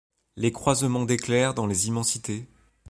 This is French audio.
Les croisements d’éclairs dans les immensités